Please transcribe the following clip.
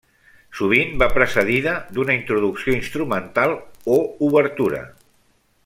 Sovint va precedida d'una introducció instrumental o obertura.